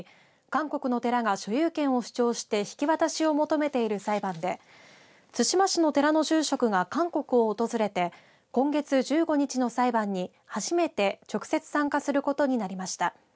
韓国の寺が所有権を主張して引き渡しを求めている裁判で対馬市の寺の住職が韓国を訪れて今月１５日の裁判に初めて直接参加することになりました。